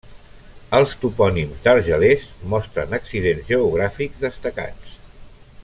Els topònims d'Argelers mostren accidents geogràfics destacats.